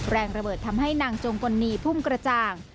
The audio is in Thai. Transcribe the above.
แรงระเบิดทำให้นางจงกลนีพุ่มกระจ่าง